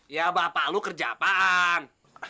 ya bapak lo kerjapan